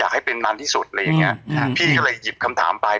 ให้เป็นนานที่สุดอะไรอย่างเงี้ยพี่ก็เลยหยิบคำถามไป